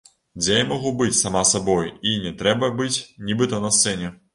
Дзе я магу быць сама сабой і не трэба быць, нібыта на сцэне.